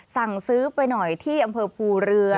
สั่งซื้อไปหน่อยที่อำเภอภูเรือ